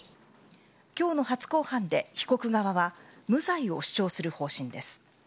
今日の初公判で被告側は無罪を主張する方針です。